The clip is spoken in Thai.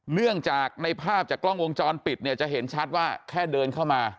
เนื่องจากในภาพจากกล้องวงจรปิดเนี่ยจะเห็นชัดว่าแค่เดินเข้ามา